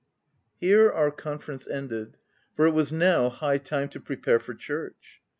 Here our conference ended, for it was now high time to prepare for church.